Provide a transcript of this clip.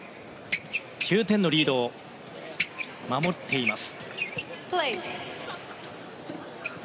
９点のリードを守っています。